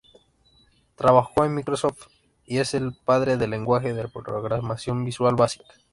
Trabajó para Microsoft y es el "padre" del lenguaje de programación Visual Basic.